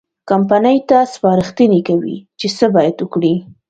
کمپنۍ ته سپارښتنې کوي چې څه باید وکړي.